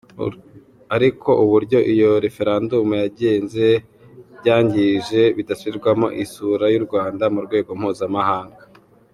Ariko uburyo iyo Referandumu yagenze byangije bidasubirwaho isura y’u Rwanda mu rwego mpuzamahanga.